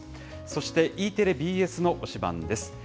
そして、Ｅテレ、ＢＳの推しバン！です。